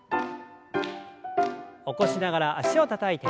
起こしながら脚をたたいて。